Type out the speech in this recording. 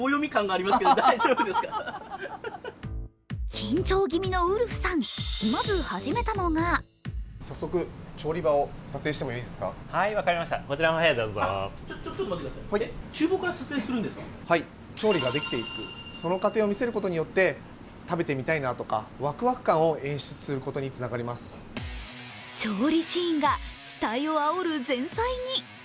緊張気味のウルフさん、まず始めたのが調理シーンが期待をあおる前菜に。